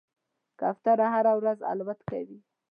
کوتره هره ورځ الوت کوي.